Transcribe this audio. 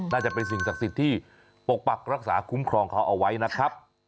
น่าจะเป็นสิ่งศักดิ์สิทธิ์ที่ปกปักรักษาคุ้มครองเขาเอาไว้นะครับ